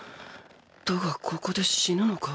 だがここで死ぬのか？